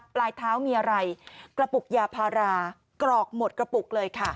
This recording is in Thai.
ปลายเท้ามีอะไรกระปุกยาพารากรอกหมดกระปุกเลยค่ะ